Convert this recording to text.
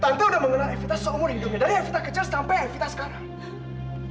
tante udah mengenal aktivitas seumur hidupnya dari evta kecil sampai evita sekarang